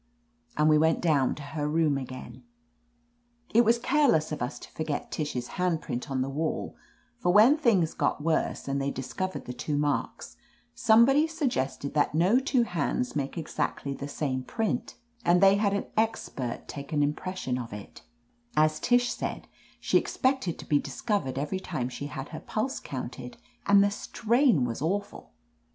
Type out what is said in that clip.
And we went down to her room again. It was careless of us to forget Tish's hand print on the wall, for when things got worse, and they discovered the two marks, somebody suggested that no two hands make exactly the same print, and they had an expert take an im pression of it As Tish said, she expected to be discovered every time she had her pulse counted, and the strain was awful.